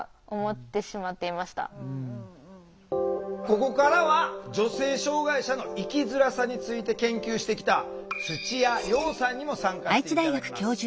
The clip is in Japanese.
ここからは女性障害者の生きづらさについて研究してきた土屋葉さんにも参加して頂きます。